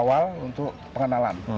awal untuk pengenalan